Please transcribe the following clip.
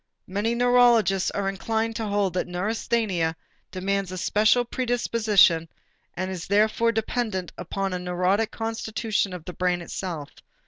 Many neurologists are inclined to hold that neurasthenia demands a special predisposition and is therefore dependent upon a neurotic constitution of the brain itself.